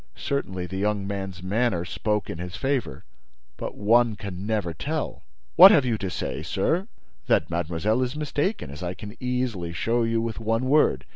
Certainly, the young man's manner spoke in his favor; but one can never tell! "What have you to say, sir?" "That mademoiselle is mistaken, as I can easily show you with one word.